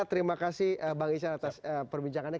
terima kasih bang isan atas perbincangannya